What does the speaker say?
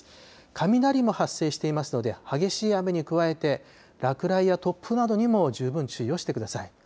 雷も発生していますので、激しい雨に加えて、落雷や突風などにも十分注意をしてください。